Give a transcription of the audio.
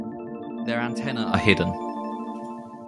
Their antennae are hidden.